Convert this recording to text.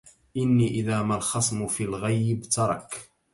إني إذا ما الخصم في الغي ابترك